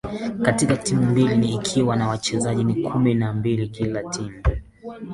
katika timu mbili ikiwa na wachezaji kumi na mmoja kila timu